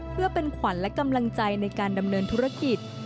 เพื่อเป็นขวัญและกำลังใจในการดำเนินธุรกิจ